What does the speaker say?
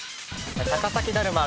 高崎だるま